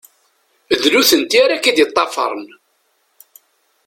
D nutenti ara ak-id-ṭṭafern.